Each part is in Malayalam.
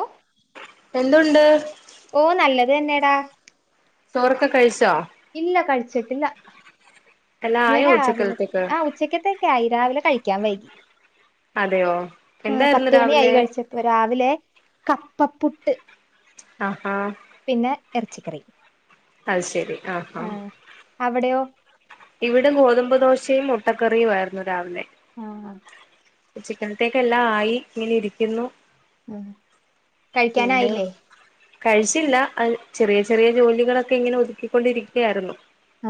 ഒ എന്തുണ്ട് ഓ നല്ലത്ന്നെടാ ചോറക്കെ കഴിച്ചോ ഇല്ല കഴിച്ചിട്ടില്ല എല്ലാം ഞാൻ ആയോ രാവിലെ ഉച്ചക്കലത്തേക്ക് ആ ഉച്ചക്കത്തേക്കെ ആയി രാവിലെ കഴിക്ക ക വൈകി അതെയോ ആ എന്തായിരുന്നു പത്ത് മണി ആയി രാവിലെ കഴിച്ചപ്പോ രാവിലെ കപ്പപ്പുട്ട് അ ആ പിന്നെ ഇറച്ചിക്കറി അത് ശെരി ആ ആ അവിടെയോ ഇവിടെ ഗോതമ്പ് ദോശയും മുട്ടക്കറിയു ആയിരുന്നു രാവിലെ ആ ചിക്കനത്തേക്ക എല്ലാം ആയി ഇങ്ങനെ ഇരിക്കുന്നു ഉ പിന്നെ കഴിക്കാനായില്ലേ കഴിച്ചില്ല അത് ചെറിയ ചെറിയ ജോലികളൊക്കെ ഇങ്ങനെ ഒതുക്കിക്കൊണ്ടിരിക്കയായിരുന്നു ആ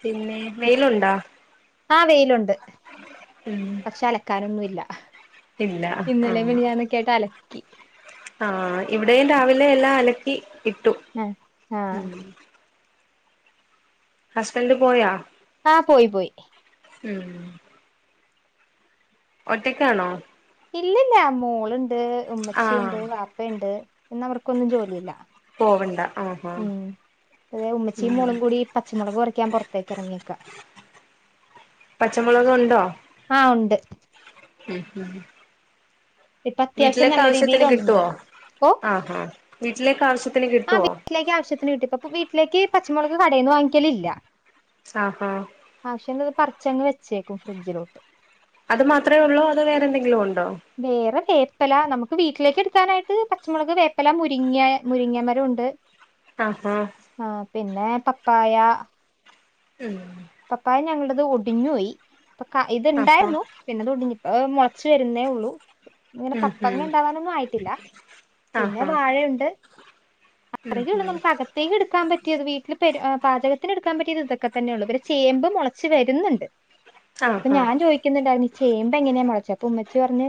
പിന്നെ മെയിലുണ്ടോ ആ വെയിലുണ്ട് ഉം പക്ഷെ അലക്കാനൊന്നുംല്ല ഇല്ല ഇന്നലെ മിഞാന്ന് കേട്ട ല കി ആ ഇവിടെയും രാവിലെ എല്ലാം അലക്കി ഇട്ടു ആ ആ ഉം ഹസ്ബന്ഡ് പോയാ ആ പോയി പോയി ഉം ഒറ്റക്കാണോ ഇല്ലല്ല മോളുണ് ട് ആഹ് ഉമ്മച്ചിയുണ്ട് വാപ്പയുണ്ട്. ഇന്ന് അവർക്കൊന്നും ജോലിയില്ല. പോവണ്ട ആഹാ ഉം. പി ഉമ്മച്ചിയും മോളും കൂടി പച്ചമുളക് പറിയ്ക്കാൻ പുറത്തേക്ക് ഇറങ്ങിയേക്ക. പച്ചമുളക് ആഹ് ഉണ്ട്. ഉം ഹും. ഇപ്പ അത്യാവശ്യം നല്ല രീതിയില് ഉണ്ട്. കിട്ടുവോ ഓ ആഹാ വീട്ടിലേക്ക് ആവശ്യത്തിന് ആ കിട്ടുവോ വീട്ടിലേക്ക് ആവശ്യത്തിന് കിട്ടി പ്പ വീട്ടിലേക്ക് പച്ചമുളക് കടയിൽന്ന് വാങ്ങിക്കലില്ല. ആഹാ പർച്ചങ്ങ് വെച്ചേക്കും ഫ്രിഡ്ജിലോട്ട്. അത് മാത്രമേ ഉള്ളൂ അത് വേറെന്തെങ്കിലും ഉണ് വേറെ വേപ്പല നമുക്ക് വീട്ടിലേക്ക് എടുക്കാനായിട്ട് പച്ചമുളക് വേപ്പല മുരിങ്ങ മുരിങ്ങ മരം ഉണ്ട്. ആ ഹാ ആഹ് പിന്നെ പപായ. ഉം പപ്പായ ഞങ്ങൾട അത് ഒടിഞ്ഞു പോയി. അപ്പൊ ഇത് ആഹാ ഇണ്ടായിരുന്നു പിന്നതൊടിഞ് മുളച്ച് വരുന്നേ ഉള്ളൂ. ഇങ്ങനെ ഉം പപ്പങ്ങ ഉം ഉണ്ടാവാനൊന്നും ആയിട്ടില്ല പിന്നെ ആഹാ വാഴയുണ്ട്. ഉം അത്രയേ ഉള്ള ഉം നമുക്ക് അകത്തേക്ക് എടുക്കാൻ പറ്റ വീട്ടിൽ പ പാചകത്തിന് എടുക്കാൻ പറ്റിയത് ഇതൊക്കെ തന്നെയുള്ളൂ. പിൻ ചേമ്പ് മുളച്ച് വരുന്നുണ്ട്. അപ്പൊ ആഹാ ഞാൻ ചോദിക്കുന്നുണ്ടായിരുന്നു ഇ ചേമ്പെങ്ങനെയാ മുളച്ചേ? ഉമ്മച്ചി പറഞ്ഞ്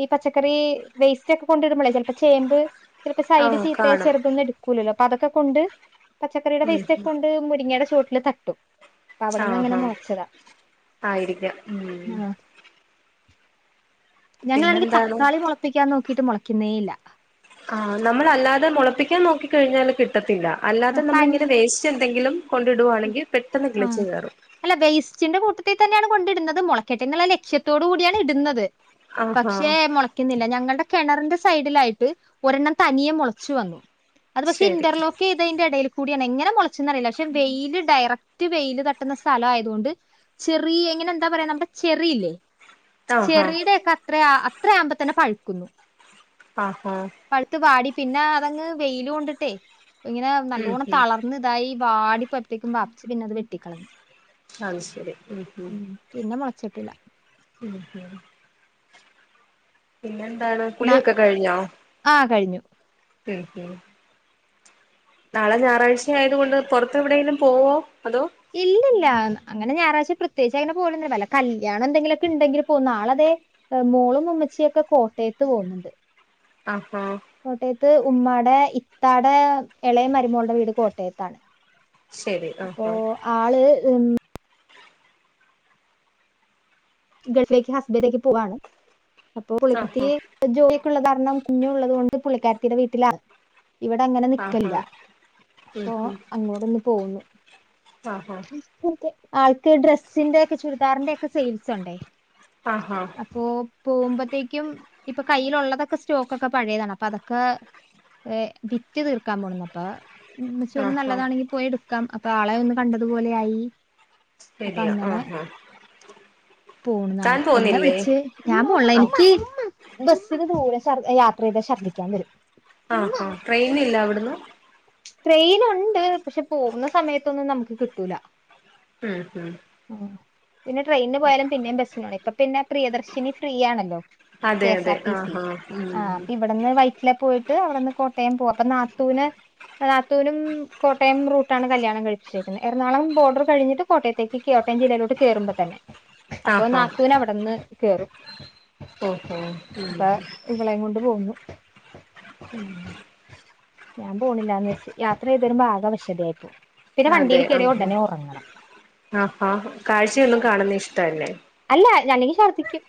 ഈ പച്ചക്കറി വേസ്റ്റ് ഒക്കെ കൊണ്ടിടുമ്പോളേ ചിലപ്പോ ചേമ്പ് ചിലപ്പോ സൈഡ് ആഹ് ചീത്തയ കാണും ചെലതൊന്നും എടുക്കൂല്ലല്ലോ. അതൊക്കെ കൊണ്ട് പച്ചക്കറിയുടെ ഉം വേസ്റ്റ് ഒക്കെ ഉം കൊണ്ട് മുരിങ്ങയുടെ ചുവട്ടില് തട്ടും. അപ്പൊ അവിടുന്ന് അങ്ങനെ ആഹാ മുളച്ചതാ ആയിരിക്കാം ഉം. ആഹ് ഞങ്ങളാണെങ്കി പിന്നെന്താണ് തക്കാളി മുളപ്പിക്കാൻ നോക്കി ഇത് മൊളക്കുന്നേ ഇല്ല. ആ നമ്മള് അല്ലാതെ മുളപ്പിക്കാൻ നോക്കി കഴിഞ്ഞാല് കിട്ടത്തില്ല. അല്ലാതെ ആഹ് തൻ നമ്മളിങ്ങനെ വേസ്റ്റ് ത്തെങ്കിലും കൊണ്ടിടുവാണെങ്കിൽ പെട്ടെന്ന് കിളിച്ചു കേറും ത്തി തന്നെയാണ് കൊണ്ടിട്ന്നത് മുളക്കെട്ടേ എന്നുള്ള ലക്ഷ്യത്തോട് കൂടിയാണ് ഇട്ന്നത് ആഹാ പക്ഷെ മോളക്കുന്നില്ല ഞങ്ങൾടെ കെണറിന്റെ സൈഡിലായിട്ട് ഒരെണ്ണം തനിയെ മോളച്ചു വന്നു അത് പക്ഷെ ശരി ഇന്റർലോക്കെയ്തെന്റെ എടയി കൂടിയാണ് എങ്ങനെ മോളച്ച്ന്നറിയില്ല ശേ വെയില് ഡയറക്റ്റ് വെയില് തട്ടുന്ന സ്ഥല ആയതു കൊണ്ട് ചെറിയ എങ്ങനെ എന്താ പറയാ നമ്മുടെ ചെറിയില്ലേ ആഹാ ചെറിടെക്കെ അത്രയാ അത്രയാമ്പോ തന്നെ പഴുക്കുന്നു ആ ആ പഴുത്ത് വാടി പിന്നെ അതങ്ങ് വെയില് കൊണ്ടിട്ടേ ഇങ്ങനെ ഉം നല്ലോണ്ണം ഉം തളർന്ന് ഇതായി വാടി പ്പത്തെക്കും വാപ്പച്ചി പിന്നെ അത് വെട്ടിക്കളഞ്ഞു അത് ശെരി ഉം ഉം [unintelligible] കുളിക്കാണ് പിന്നെ ന്താണ് ന്നാ കുളിയൊക്കെ കഴിഞ്ഞോ ആ കഴിഞ്ഞു. ഉം ഉം നാളെ ഞാറാഴ്ച ആയത് കൊണ്ട് പുറത്ത് എവിടെങ്കിലും പോവോ അതോ ഇല്ലില്ല അങ്ങനെ ഞാറാഴ്ച പ്രത്യേകിച്ച് അങ്ങനെ പോവലൊന്നുല്ല വല്ല കല്യാണം എന്തെങ്കിലുക്കെണ്ടെങ്കില് പോവും നാളദേ മോളും ഉമ്മച്ചിയൊക്കെ കോട്ടയത്ത് പോകുന്നുണ്ട് ആ ഹാ കോട്ടയത്ത് ഉമ്മാടെ ഇത്താടെ എളയ മരുമോളുടെ വീട് കോട്ടയത്താണ് ശെരി ആ അപ്പൊ ആ [unintelligible] ഗൾഫിലേക്ക് ഹസ്ബന്റ് പോവാണ് അപ്പൊ പുള്ളിക്കാരത്തി ആഹാ ജോലിക്കൊള്ള കാരണം കുഞ്ഞും ഉള്ളത്കൊണ്ട് പുള്ളിക്കാര തിടെ വീട്ടിലാ ഇവിടെ അങ്ങനെ നിക്കല്ല ആഹാ ഉം അപ്പൊ ഉം അങ്ങോട്ടൊന്ന് പോന്നു ആഹാ ക്കെ ആൾക്ക് ഡ്രസ്സിന്റെക്കെ ചുരിദാറിന്റെക്കെ സെയിൽ സണ്ടേ ആ ഹാ പോകുമ്പോത്തേക്കും ഇപ്പൊ കയ്യിലുള്ളതൊക്കെ സ്റ്റോക്കൊക്കെ പഴയതാണ് അപ്പൊ അതൊക്കെ വിറ്റ് തീർക്കാൻ പോണുന്നപ്പ ഉമ്മച്ചി പറഞ്ഞു ആഹാ നല്ലതാണെങ്കി പോയി എടുക്കാം ഇപ്പൊ ആളെ ഒന്ന് കണ്ടതുപോലെആയി ശരിയാ ആഹാ പോണ് താൻ നാളെ എന്നാ പോന്നില്ലേ വിളിച്ച് ഞാൻ പോണില്ല ആഹ് എനിക്ക് ബസ്സിന് ദൂരെ ശ യാത്ര ചെയ്താൽ ശർദ്ദിക്കാൻ വരും ആഹാ ട്രെയിന ഇല്ല അവിടന്ന് ട്രെയിൻ ഉണ്ട് പക്ഷെ പോകുന്ന സമയത്തൊന്നും നമുക്ക് കിട്ടൂല ഉം ഹും പിന്ന ട്രെയിന് പോയാലും പിന്നെ ബസിന് പോണം ഇപ്പം പിന്നെ പ്രിയദർശിനി ഫ്രീ ആണല്ലോ കെ അതെ എസ് അതെ ആർ ടി സി ആഹ് ആഹ് ആ ഉം അപ്പൊ ഇവിടുന്ന് വയറ്റിലെ പോയി ട്ട് അവിടെന്ന് കോട്ടയം പോകും അപ്പൊ നാത്തൂനെ നാത്തൂനും കോട്ടയംറൂട്ടാണ് കല്യാണംഴപ്പിച്ചേരിക്കുന്നത് എറണാുളം ബോർഡർ കഴിഞ്ഞിട്ട് കോട്ടയത്തേക്ക് കോട്ടയം ജില്ലയിലോട്ട് കയറുമ്പോൾ തന്നെ അപ്പൊ ആഹ് ആഹ് നാത്തുന അവിടെന്ന് കേറും ഓഹോ അപ്പൊ ഇവളെയും കൊണ്ട് പോന്നു ഉം ഞാൻ പോണില്ലാന്ന് വെച്ച് യാത്ര ചെയ്തു തരുമ്പോ ആകെവശതായിയിപ്പോ അതെ ആ ആ ആ കാഴ്ചയൊന്നും കാണുന്ന ഇഷ്ടല്ലേ അല്ല ഞാനെങ്കി ഛർദ്ദിക്കും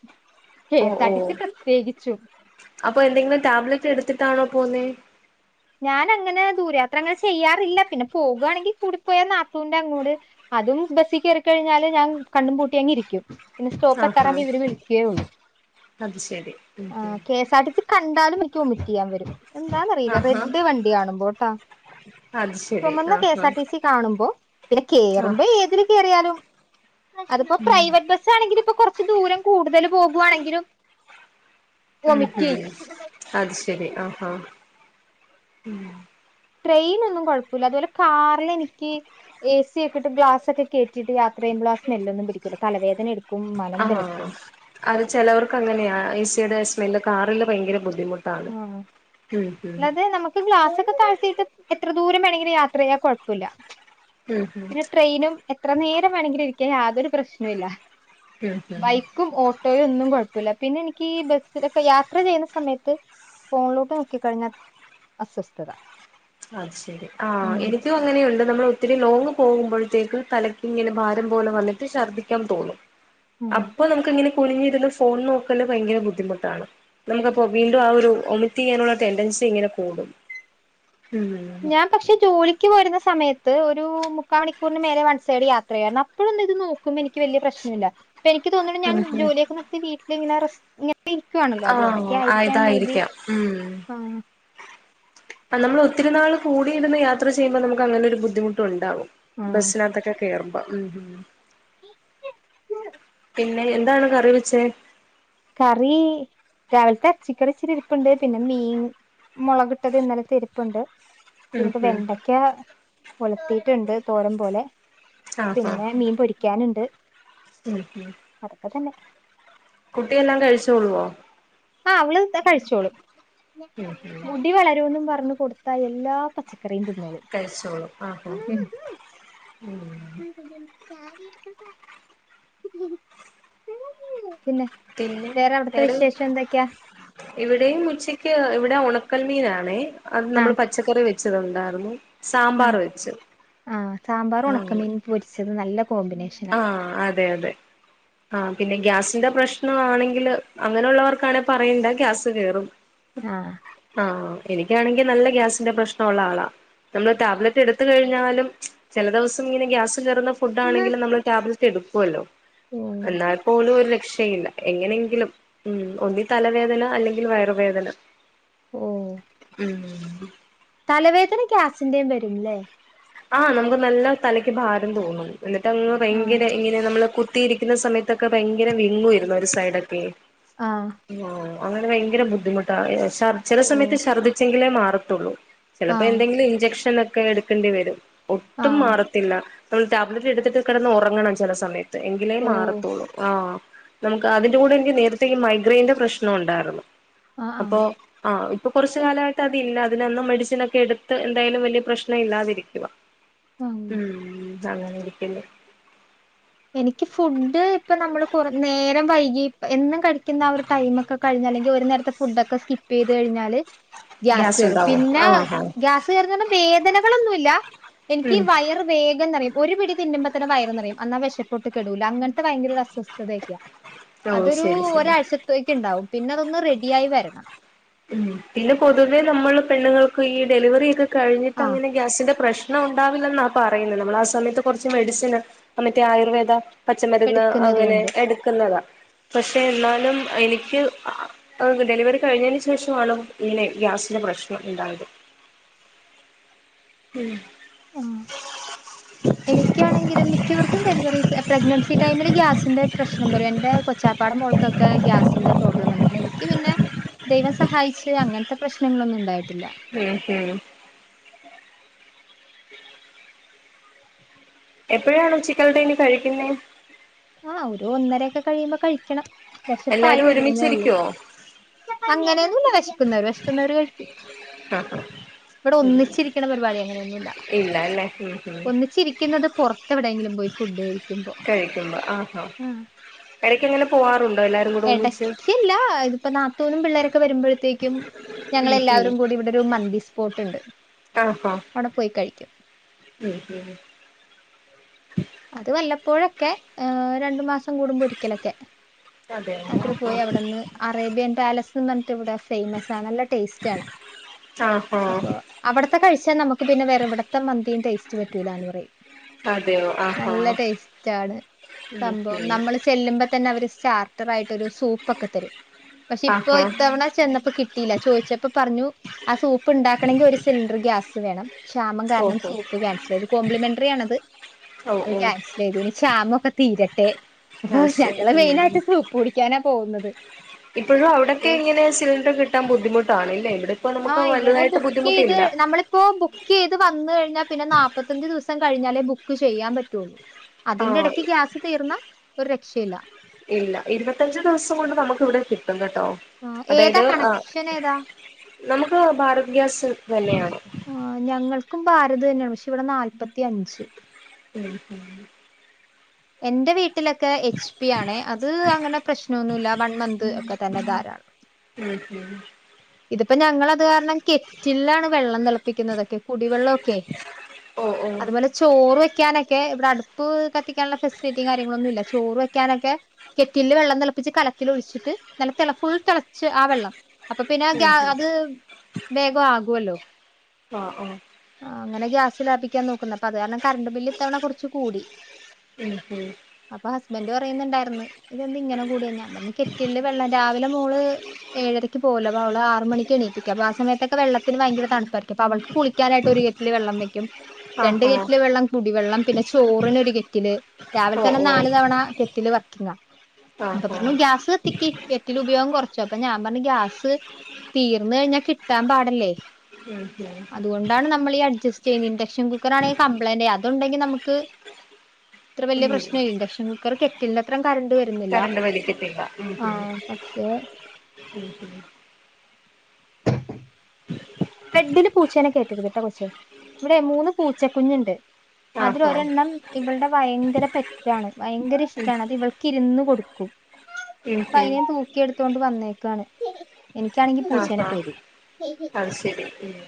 ഹ ഓഹ് സാട്ടി ഓഹ് സി പ്ര പ്രത്യേകിച്ചു അപ്പൊ എന്തെങ്കിലും ടാബ്ലറ്റ് എടുത്തിട്ടാണോ പോന്നേ ഞാൻ അങ്ങനെ ദൂരയാത്രങ്ങൾ ചെയ്യാറില്ല പിന്നെ പോകുയാണെങ്കിൽ കൂടിപ്പോയാ നാത്തൂവിൻന്റെ അങ്ങോട് അതും ബസ്സിൽ കയറ കഴിഞ്ഞാല് ഞാൻ കണ്ണും പൂട്ടി അങ്ങി ഇരിക്കും പിന്നെ സ്റ്റോപ്പ് ആഹ് എത്താറ ആഹ് ഇവ വിളിക്കേള്ളൂ അത് ശരി ഉം ആ ഉം K S R T C കാ കണ്ടാലും എനിക്ക് ഒമിറ്റ് ചെയ്യാൻ വരും എന്താന്നറിയില്ല ആഹാ റെഡ് വണ്ടി കാണുമ്പോട്ടാ അത് ശരി ചുമന്ന ആഹ് കഎസ് ആർ ആഹ് ടി സി കാണുമ്പോ പിന്നെ ആഹ് കേറുമ്പോ ഏതിൽ കയറിയാലും അതിപ്പോ പ്രൈവറ്റ് ബസ് ആണെങ്കിൽ ഇപ്പൊകൊ കുറച്ച് ദൂരം കൂടുതൽ പോകുവാണെങ്കിലും ഹ്മ്മ് വൊമിറ്റ് ചെയ്യും ഹ്മ്മ് അത് ശരി അഹ് അഹ് മ് ട്രെയിന് ഒന്നു കുഴപ്പില്ല അതുപോലെ കാറിൽ എനിക്ക് എ സി ഇട്ടിട് ഗ്ലാസ് ഒക്കെ കേറ്റിയിട്ട് യാത്ര ചെയ്യുമ്പോൾ ആ സ്മെല്ലൊന്നും പിടിക്കൂല്ല തലവേദന എടുക്കും മലം അഹ് പെരട്ടും അത് ചെലവർക്ക് അങ്ങനെയ ഈ സ് തിടെ സ്മെൽ കാറിൽ ഭയങ്ക ബുദ് അഹ് അല്ലാതെ നമുക്ക് ഗ്ലാസൊക്കെ താഴ ത്തീട്ട് എത്ര ദൂരം വേണങ്കിലും യാത്ര ചെയ്യാ കൊഴപ്പല്ല. ഉം ഉം പിന്നെ ട്രെയിനും എത് എത്ര നേരം വേണെങ്കിലു ഇരിക്കാൻ യാതൊരു പ്രശ്നോം ഇല്ല. ഉം ഉം ബൈക്കും ഓട്ടോയും ഒന്നും കൊഴ പ്പൂല്ല പിന്നെ എനിക്ക് ബസ്സിലൊക്കെ യാത്ര ചെയ്യുന്ന സമയത്ത് ഫോണിലോട്ട് നോക്കിക്കഴിഞ്ഞാൽ അസ്വസ്ഥത. അ ശെരി ആ ഉം എനിക്കും അങ്ങനെയുള്ള് നമ്മൾ ഒത്തിരി ലോങ്ങ് പോകുമ്പഴത്തേക്കും തലയ്ക്ക് ഇങ്ങനെ ഭാരം പോലെ വന്നിട്ട് ശർദ്ദിക്കാൻ തോന്നും. ഉം അപ്പോ നമുക്ക് ഇങ്ങനെ കുനിഞ്ഞിരുന്ന് ഫോൺ നോക്കല് ഭയങ്കര ബുദ്ധിമുട്ടാണ്, നമുക്കപ്പോ വീണ്ടും ആ ഒരു വ് വോമിറ്റ് ചെയ്യാനുള്ള ടെൻഡൻസി ഇങ്ങനെ കൂടും. ഉം ഞാൻ പക്ഷേ ജോലിക്ക് വരുന്ന സമയത് ത്ത് ഒരു മുക്കാ മണിക്കൂറിന് മേലെ വൺ സൈഡ് യാത്ര ചെയ്യാരുന്നു അപ്പോഴൊന്ന് ഇത് നോക്കുമ്പ എനിക്ക് വലിയ പ്രശ്നില്ല. ഇപ്പ എനിക്ക് തോന്നണു ഞാൻ ജോലിയൊക്കെ നിർത്തി വീട്ട് വിന്നറസ് ഞാ പ്പ ഇരിക്കാണല്ലോ അതുകൊണ്ടൊക്കെ ആഹ് ആഹ് ആയിരിക്കാം മേ ബി ഇതായിരിക്കാം ഉം ആ നമ്മൾ ഒത്തിരി നാൾ കൂടിയിരുന്ന് യാത്ര ചെയ്യുമ്പോ നമുക്ക് അങ്ങനെ ഒരു ബുദ്ധിമുട്ട് ഒണ്ടാവും. ആഹ് ബസ്സിനകത്തൊക്കെ കേറും പ മ് മ് പിന്നെ എന്താണ് കറി വെച്ചേ? കറി രാവിലത്തെ എറച്ചിക്കറി ഇച്ചിരി ഇരിപ്പുണ്ട്, പിന്നെ മീൻ മൊളകിട്ടത് ഇന്നലത്തെ ഇരിപ്പുണ്ട്. ഉം പിന്നെ ഇപ്പ ഉം വെണ്ടക്ക ഒലത്തിയിട്ടിണ്ട് തോരം പോലെ പിന്നെ മീൻ പൊരിക്കാനിണ്ട്. മ് മ് കുട്ടിയെല്ലാം കഴിച്ചോള്ളുവോ? ആ അവള് ക്കെ കഴിച്ചോളും ഉം ഉം മുടി വളരൂന്നും പ [unintelligible] കൊടുത്ത എല്ലാ പച്ച കറിയും തിന്നോളും. മ് ആ സ പിന്നെ വേറെ അവിടത്തെ വിശേഷം എന്തൊക്കെയാ? ഇവിടെയും ഉച്ചയ്ക്ക് ഇവിടെ ഉണക്കൽമീനാണേ അത് ആ നമ്മള് പച്ചക്കറി വെ ച്ചത് ഉണ്ടായിരുന്നു സാമ്പാർ വെച്ചു സാമ്പാറും ഉണക്കമീൻ പൊരിച്ചത് നല്ല കോമ്പിനേഷൻ ആ അതെെ ത ആ പിന്നെ ഗ്യാസിന്റെ പ്രശ്ന ആണെങ്കിൽ അങ്ങനെയുള്ളവർക്കാണ പറയണ്ട ഗ്യാസ് കേയറും ആ ആ എനിക്കാണെങ്കിൽ നല്ല ഗ്യാസിന്റെ പ്രശ്നമുള്ള ആളാ നമ്മള് ടാബലറ്റ് എടുത്ത കഴിഞ്ഞാലും ചില ദിവസം ഇങ്ങനെ ഗ്യാസ് കയറുന്ന ഫു്ഡ് ആണെകിലും ത്തെ എടുക്കുമല്ലോ ഓ എന്നാൽ പോലും ഒരു രക്ഷയില്ല എങ്ങനെങ്കിലും ഉം ഒന്നി തലവേദന അല്ലെങ്കിൽ വയറുവേദന ഓ ഉം തലവേദന ഗ്യാസിന്റെയും വരുംല്ലേ ആ നമുക്ക് നല്ല തലയ്ക്ക് ഭാരം തോന്നും ആ എന്നിഅങ്ങ് ഇങ്ങനെ നമ്മള് കുത്തിരിക്ക പുന്ന സയത്തൊക്കെ ഭയങ്ക ഭയങ്കര വിങ്ങുയിരുന്നു ഒരു സൈഡൊക്കെ ആ ആ അങ്ങനെ ഭയങ്കര ബുദ്ധിമുട്ടായി ചില ഓ സമയത്ത് ഛർദിച്ചെ മാറത്തുള്ളൂ ആ ചിലപ്പോ എന്തെങ്കിലും ഇഞ്ചെക്ഷൻെ ഒക്കെ എടുക്കേണ്ടി വരും ആ ഒട്ടും മാറത്തില്ല നമ്മൾ ടാബലറ്റ് എടുത്തിട്ട് കിടന്ന് ഉറങ്ങണം ചില സമയത്ത് എങ്കിലേ ഓ മാറത്തോളൂ ആ നമുക്ക് അതിന്റെ കൂടെ എനിക്ക് നേരത്തെ ഈ മൈഗ്രെയിന്റെ പ്രശ്നം ഉണ്ടായിരുന്നു ആ ആ അപ്പൊ ആ ഇപ്പൊ കുറച്ചു കാലമായിട്ട് അതില്ല അതിനന്നും മെഡിസിന ഒക്കെ എടുത്ത് എന്തായാലും വലിയ പ്രശ്നം ഇല്ലാതിരിക്കുക ആ ഉം നന്ന ഇരിക്കില്ലേ എനിക്ക് ഫുഡ് ഇപ്പ നമ്മള് കൊറ നേരം വൈകി എന്നും ക്കഴി ുന്ന ആ ഒരുടൈം ഒക്കെ കഴഞ്ഞങ്ക നി ഒരു നേരത്തെ ഫുഡൊക്കെകപ്പ് ചെയ്ത് കഴിഞ്ഞാല് ഗ്യാസ് കറും ഉണ്ടാവോ പിന്നെ ആഹ് ആഹ് ഗ്യാസ് ക വേന ങ്ങളൊന്നുമല്ല എനിക്ക് ഉം വയർ വേഗം എന്നറിയ ഒരു പിടി തിുമ്പ തന്ന വയർ നിറയുംാ കച്ചപ്പെട്ട് കെടൂല അങ്ങനത്തെ ഭയങ്കര അസ്വസ്ഥതയൊക്കെയാ ഓ അതൊരു ശരി ശരി ഒരാഴ്ചത്തേക്ക് ഉണ്ടാവും പിന്നെ അതൊന്ന് റെഡിിയായി വരണം ഉ പിന്നെ പൊതുവേ നമ്മള് പെണ്ണുങ്ങൾക്ക് ഈ ഡെലിവറി ചെയ്ത് കഴിഞ്ഞി് ആ അങ്ങന ഗ്യാസിന്റെ പ്രശ്നം ഇ ഉണ്ടാവില്ലെന്ന ആ പറയുന്നത് നമ്മൾ ആ സമയത്ത് കുറച്ച് മെഡിസിന് അമത്തെേ ആയുർവേദ പച്ചമരുന്ന് എടുക്കുന്നത് അങ്ങനെ കൊണ്ട് എടുക്കുന്നതാ പക്ഷെ എന്നാലും എനിക്ക് ഡെലിവറി കഴിഞ്ഞ ശേഷമാണ് ഇനെ ഗ്യാസിന്റെ പ്രശ്നം ഉണ്ടായത് ഉം ആ എനിക്കാണെങ്കിലും മിക്കവർക്കും ഡെലിവറി പ്രഗ്നൻസി ടൈമിൽ ഗ്യാസിന്റെ പ്രശ്നം വരും എന്റെ കൊച്ചാപ്പാടം മോൾക്കൊക്കെ ഗ്യാസിന്റെ പ്രോബ്ലം വന്നിട്ടുണ്ട് എനിക്ക് പിന്നെ ദൈവം സഹായിച്ച് അങ്ങനത്തെ പ്രശ്നങ്ങളൊന്നും ഉണ്ടായിട്ടില്ല ഉം ഹം എപ്പോഴാണോ ചിക്കൻ തനി കഴിക്കുന്ന ആഹ ഒരുോ ഒന്നര ഒൊക്കെ കഴിയുമ്പോ കഴിക്കണം വിശപ്പായി എല്ലാരും വരുന്നേ ഉള്ളൂ ഒരുമിച്ചിരിക്കുവോ അങ്ങനെ ഒ വിശിക്കുന്നവർ വിശിക്കുന്നവർ കഴിക്കും ആഹാ ഇവിടെ ഒന്നിച്ചിരിക്കണ പരിപാടി അങ്ങനെയൊന്നുമല്ല ഇല്ല അല്ലേ ഉം ഉം ഒന്നിച്ചിരിക്കുന്നത് പുൊറത്തെ എവിടെെങ്കിലും പോയി ഫുഡ് കഴിക്കുമ്പോ കഴിക്കുമ്പോ ആഹാ ഇടയ്ക്ക് എങ്ങനെ പോവാറുണ്ട് ഇടക്കല്ല ഇതിപ്പ നാത്തോനും പിള്ളേരക്ക ഒെ വരുമ്പോഴത്തേക്കും ഉം ഞങ്ങെല്ലാവരും കൂടി ഇവിടെ ഒരു മന്തി സ്പോട്ട്ുണ്ട് ആഹഹ ഉ അതുമല്ല ഇപ്പോഴൊക്കെ രണ്ടു മാസം കൂടുമ്പോ ഒരിക്കലൊക്കെ അതെയോ രാത്രി ആഹാ പോയി അവിടെന്ന് അറേബ്യൻ പാലസ് എന്ന് പറഞ്ഞിട്ട് ഫേമസ് ആ നല്ല ടേസ്റ്റ് ആണ് ആഹാ അപ്പോ അവിടത്തെ കഴിച്ചാ നമുക്ക് പിന്നെ വേറെ ഇവിടത്തെ മന്തി ടേസ്റ്റ് പറ്റൂല എന്ന് പറയും ആ നല്ല ടേസ്റ്റ് ആണ് ഉം സംഭവം ഉം നമ്മള് ചെല്ലുമ്പോ തന്നെ അവര് സ്റ്റാർട്ടർ ആയിട്ടൊരു സൂപ്പ് ഒക്കെ തരും. പക്ഷെ ഇപ്പൊ ആഹാ ഇത്തവണ ചെന്നപ്പോ കിട്ടില. ചോയിച്ചപ്പോ പറഞ്ഞു ആ സൂപ്പ്ണ്ടാക്കണെങ്കി ഒരു സിലിണ്ടർ ഗ്യാസ് വേണം. ക്ഷാമം കാരണം ഓഹോ സൂപ്പ് ക്യാൻസെലെയ്ത് കോംപ്ലിമെന്ററി ആണത്. ഓ അത് ഓ ക്യാൻസലെയ്തു ഇനി ക്ഷാമൊക്കെ തീരട്ടെ. ഓ അത് ശരി ഞങ്ങള് മെയിനായിട്ട് സൂപ്പ് കുടിക്കാനാ പൊ പോവുന്നത് ഇപ്പഴും അവിടൊക്കെ ഇങ്ങനെ സിലിണ്ടർ കിട്ടാൻ ബുദ്ധിമുട്ടാണ്ല്ലേ ഇവിടെ ഇപ്പോ നമുക്ക് ആഹ് ഇവിടെ വലുതായിട്ട് ബുക്കെയ്ത് ബുദ്ധിമുട്ടില്ല നമ്മളിപ്പോ ബുക്കെയ്ത് വന്ന് കഴിഞ്ഞാ പിന്നെ നാപ്പത്തഞ്ച ദിസ കഴിഞ്ഞാലേ ബുക്ക് ചെയ്യാൻ പറ്റുള്ളൂ അതിന്റെ ആഹ് ഇടയ്ക്ക് ഗ്യാസ് തീർന്ന ഒരു ര ഷില ഇല്ല ഇരുപത്തഞ്ച് ദിവസം കൊണ്ട് നമുക്ക് ഇവിടെ കിട്ടും കേട്ടോ ആഹ് ഏതാ അതായത് ആഹ് കണക്ഷനേതാ നമുക്ക് ഭാരത് ഗ്യാസ് തന്നെയാണ് ട്ടതെന്ന പക്ഷെ ഇവിടെ നാല്പ്പത്തിയഞ്ച് ഉം ഉം എന്റെ വീട് ലൊക്കെ എച്ച് പി ആണെ. അത് അങ്ങനെ പ്രശ്നൊന്നുല്ല വൺ മന്ത് ഒക്കെ തന്നെ ധാരാളം ഉംഹ് ഇതിപ്പ ഞങ്ങളത് കാരണം കെറ്റിലാണ് വെള്ളം തിളപ്പിക്കുന്നതൊക്കെ കുടിവെള്ളൊക്കെ. ഓ ഓ അതുപോലെ ചോറ് വെക്കാനൊക്കെ ഇവിടെ അടുപ്പ് കത്തിക്കാൻള്ള ഫെസ്ലിറ്റി കാര്യങ്ങളൊന്നുല്ല ചോറ് വെക്കാനൊക്കെ കെറ്റില്ല് വെള്ളം തെളപ്പിച്ച് കലത്തിലൊഴിച്ചിട്ട് നല്ല തെള ഫുൾ തെളച്ച് ആ വെള്ളം അപ് അപ്പ പിന്നെ ഉം ഉം അത് വേഗ ആകോല്ലോ അഹ് ആഹ് ആഹ് അങ്ങനെ ഗ്യാസ് ലാഭിക്കാൻ നോക്കുന്ന അപ്പ അത് കാര്ണം കറണ്ട് ബില്ല് ഇത്തവണ കൊറച്ച് കൂടി ഉം ഉം ബന്റ് പറയുന്നുണ്ടാര്ന്ന് ഇതെന്ത് ഇങ്ങനെ കൂട്യേ ഞാൻ പറഞ്ഞു കെറ്റില്ലില് വെള്ളം രാവിലെ മോള് ഏഴരക്ക് പോവല്ലൊ അപ അവള് ആറ് മണിക്ക് എണീപ്പിക്ക അപ ആ സമയത്തൊക്കെ വെള്ള ന് ഭയങ്കര തണുപ്പായിരിക്കും അപ അവൾക്ക് കുളി ക്ക്യാനായിട്ട് ഒരു കെറ്റില്ല് വെള്ളം വെക്ക് രണ്ട് ആഹാ കെറ്റില് വെള്ളം കുടിവെള്ളം പിന്നെ ചോറിനൊരു കെറ്റില് രാവിലെ ഓ തന്നെ ഓ നാല്തവണ കെറ്റില് വ കിന്ന അപ്പൊ ആഹ് പിന്നെ ആഹ് ഗ്യാസ് കത്തിക്ക് കെറ്റില് ഉപയോഗം കൊറ ച്ചു. അപ്പ ഞാൻ പറഞ്ഞ് ഗ്യാസ് തീർന്ന് കഴിഞ്ഞാ കിട്ടാൻ പാടല്ലേ? ഉം അതുകൊണ്ടാണ് നമ്മള് ഈ അഡ്സ്റ്റ് ചെയ്യുന്നത് ഇൻഡക്ഷൻ കുക്കർ ആണെങ്കിൽ കംപ്ലൈന്റ് അതുണ്ടെങ്കി നമുക്ക് ഇത്ര ഉം വലിയ ഉം പ്രശ്നല്ല ഇൻഡക്ഷൻ കുക്കർ കെറ്റിലിന്റെ അത്ര കറണ്ട് വരുന്നില്ല. കറണ്ട് വലിക്കത്തില്ല ഉം ഉം ആപക്ഷേ? ഉം ഉം ബെഡില് പൂച്ചേനെ കേ ഇവിടെ മൂന്ന് പൂച്ചക്കുഞ്ഞുണ്ട്. ആഹ് ആഹ് അതിലൊരെണ്ണം ഇവളുടെ ഭയങ്കര പെറ്റാണ് ഭയങ്കര ഇഷ്ടമാണ് അത് ഇവൾക്ക് ഇരുന്ന് കൊടുക്കും. ഉം കും ഉം അതിനെ തൂക്കി എടുത്തൊണ്ട് വന്നേക്കാണ്. എനിക്കാണെങ്കി ആഹ് പൂച്ചേനെ ആഹ് പേടി. അത് ശരി ഉം